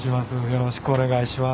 よろしくお願いします。